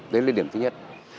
đấy là điểm thứ nhất